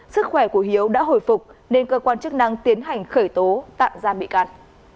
sức khỏe của hiếu đã hồi phục nên cơ quan chức năng tiến hành khởi tố tạm giam bị can